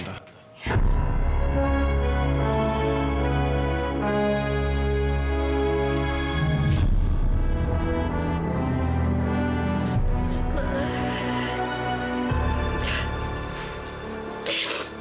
kamila kangen banget sama makan